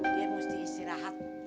dia mesti istirahat